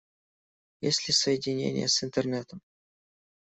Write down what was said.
Есть ли соединение с Интернетом?